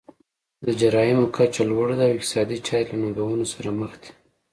د جرایمو کچه لوړه ده او اقتصادي چارې له ننګونو سره مخ دي.